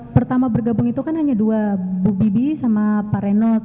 pertama bergabung itu kan hanya dua bu bibi sama pak renot